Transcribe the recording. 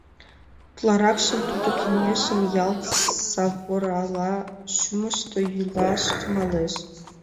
Утларакшым тудо кеҥежым ялт саворала шӱмыштӧ йӱлаш тӱҥалеш.